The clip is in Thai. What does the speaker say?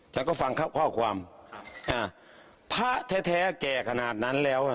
ฉันก็ฟังข้อความพระแท้แก่ขนาดนั้นแล้ว